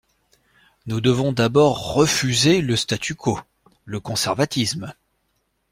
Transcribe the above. Nous devons d’abord refuser le statu quo, le conservatisme.